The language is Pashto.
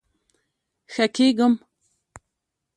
ښه کیږم